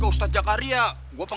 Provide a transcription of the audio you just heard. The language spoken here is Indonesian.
ke ustadz jacaria